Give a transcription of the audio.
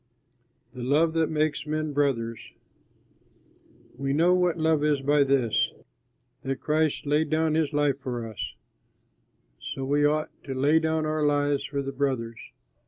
THE LOVE THAT MAKES MEN BROTHERS We know what love is by this, that Christ laid down his life for us; so we ought to lay down our lives for the brothers.